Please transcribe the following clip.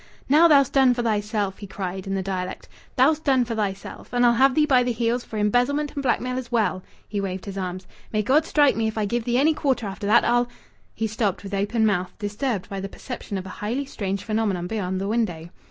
"Now thou'st done for thyself!" he cried, in the dialect. "Thou'st done for thyself! And I'll have thee by the heels for embezzlement, and blackmail as well." He waved his arms. "May God strike me if I give thee any quarter after that! I'll " He stopped with open mouth, disturbed by the perception of a highly strange phenomenon beyond the window.